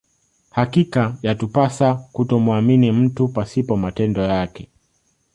Hakika yatupasa kutomuamini mtu pasipo matendo yake